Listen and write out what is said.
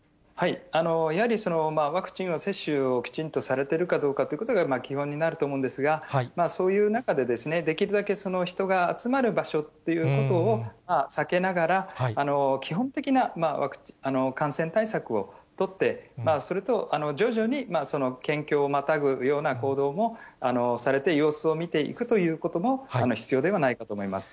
やはり、ワクチンの接種をきちんとされているかどうかということが基本になると思うんですが、そういう中で、できるだけ、人が集まる場所っていうことを避けながら、基本的な感染対策を取って、それと徐々に県境をまたぐような行動もされて、様子を見ていくということも、必要ではないかと思います。